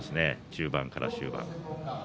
中盤から終盤。